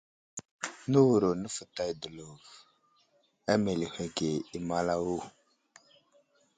Nəwuro nəfətay dəlov a meləhwəge i malawo.